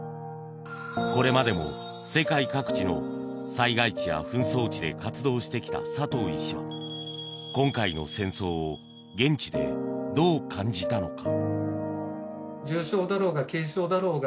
これまでも世界各地の災害地や紛争地で活動してきた佐藤医師は今回の戦争を現地でどう感じたのか。